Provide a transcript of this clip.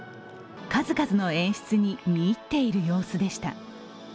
数々の演出に見入っている様子でした。